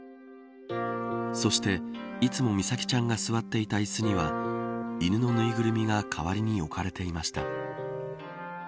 そして、いつも美咲ちゃんが座っていて椅子には犬のぬいぐるみが代わりに置かれていました。